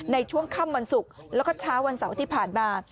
ในช่วงค่ำวันศุกร์แล้วก็เช้าวันเสาร์ที่ผ่านมา